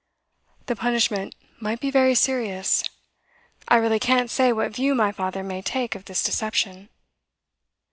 'The punishment might be very serious. I really can't say what view my father may take of this deception.